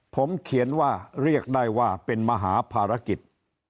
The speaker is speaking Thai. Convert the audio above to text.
ผมเขียนว่าเรียกได้ว่าเป็นมหาภารกิจ